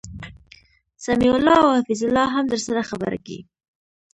سمیع الله او حفیظ الله هم درسره خبرکی